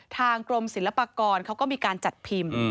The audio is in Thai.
ทางกรมศิลปากรเขาก็มีการจัดพิมพ์